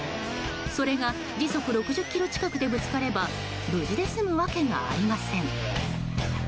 それが時速６０キロ近くでぶつかれば無事で済むわけがありません。